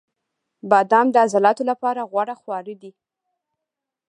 • بادام د عضلاتو لپاره غوره خواړه دي.